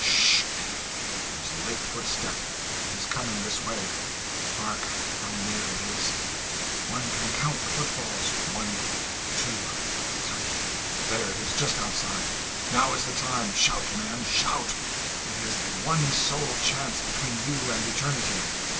Sh ! there's a late footstep. It is coming this way. Hark, how near it is! One can count the footfalls one two three. There it is just outside. Now is the time! Shout, man, shout! it is the one sole chance between you and eternity!